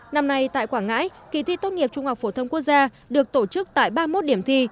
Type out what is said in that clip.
năm nay tại quảng ngãi kỳ thi tốt nghiệp trung học phổ thông quốc gia được tổ chức tại ba mươi một điểm thi